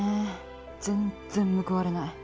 全然報われない。